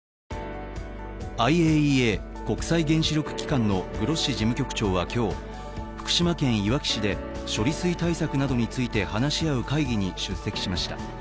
ＩＡＥＡ＝国際原子力機関のグロッシ事務局長は今日福島県いわき市で、処理水対策などについて話し合う会議に出席しました。